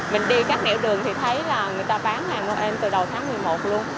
mình đi các nẻo đường thì thấy là người ta bán hàng noel từ đầu tháng một mươi một luôn